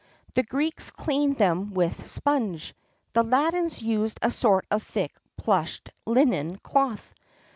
[XXXII 24] The Greeks cleaned them with sponge;[XXXII 25] the Latins used a sort of thick, plushed, linen cloth.